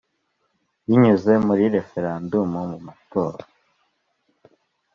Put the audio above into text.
Binyuze muri referandumu, mu matora